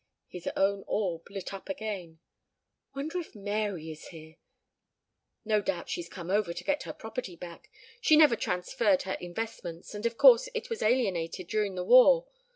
His own orb lit up again. "Wonder if Mary is here? No doubt she's come over to get her property back she never transferred her investments and of course it was alienated during the war.